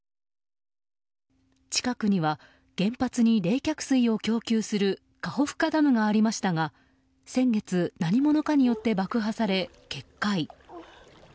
近くには原発に冷却水を供給するカホフカダムがありましたが先月何者かによって爆破され決壊。